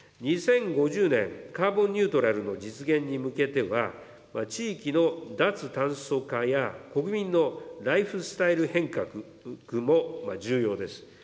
２０５０年、カーボンニュートラルの実現に向けては、地域の脱炭素化や国民のライフスタイル変革も重要です。